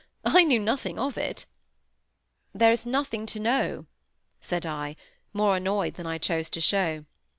I knew nothing of it." "There is nothing to know," said I, more annoyed than I chose to show.